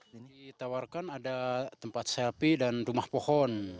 ini ditawarkan ada tempat selfie dan rumah pohon